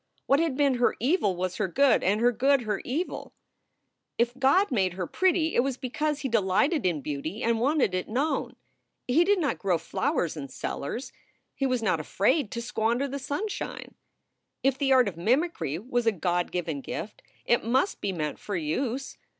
What had been her evil was her good and her good her evil. If God made her pretty it was because he delighted in beauty and wanted it known. He did not grow flowers in cellars. He was not afraid to squander the sunshine. If the art of mimicry was a God given gift, it must be meant for use.